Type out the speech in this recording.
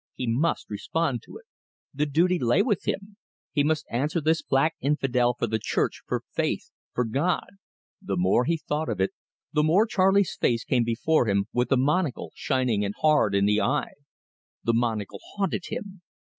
He must respond to it. The duty lay with him; he must answer this black infidel for the Church, for faith, for God. The more he thought of it, the more Charley's face came before him, with the monocle shining and hard in the eye. The monocle haunted him.